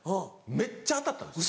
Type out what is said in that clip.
めっちゃ当たったんですよ。